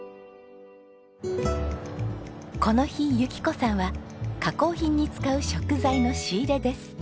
この日由紀子さんは加工品に使う食材の仕入れです。